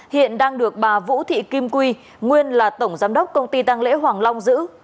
hiện đang được bà vũ thị kim quy nguyên là tổng giám đốc công ty tăng lễ hoàng long giữ